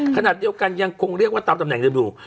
ขณะเดียวกันยังคงเรียกว่าตามตำแหนเดิมอยู่